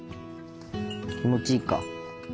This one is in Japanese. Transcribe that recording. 気持ちいいか？